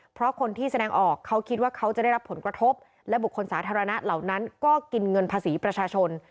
เพราะคนที่แสดงออกเขาคิดว่าเขาจะได้รับผลกระทบและบุคคลสาธารณะเหล่านั้นก็กินเงินภาษีประชาชน